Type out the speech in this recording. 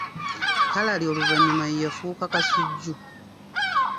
Kalali oluvannyuma ye yafuuka Kasujju